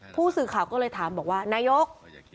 ผู้สื่อข่าวก็เลยถามบอกว่านายก